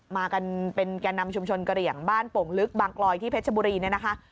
มากันเป็นแก่นำชุมชนกระเหลี่ยงบ้านโป่งลึกบางกลอยที่เพชรบุรีเนี่ยนะคะ